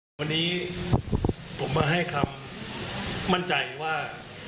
วันนี้ผมมาให้คำมั่นใจว่า